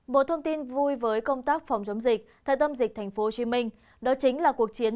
bộ thông tin vui với công tác phòng chống dịch tại tâm dịch tp hcm đó chính là cuộc chiến